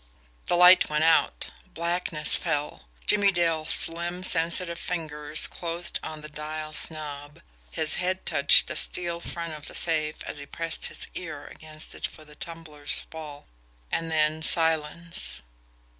The light went out blackness fell. Jimmie Dale's slim, sensitive fingers closed on the dial's knob, his head touched the steel front of the safe as he pressed his ear against it for the tumblers' fall. And then silence.